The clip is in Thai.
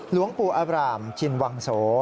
หลวงปู่อาบรามชินวังโส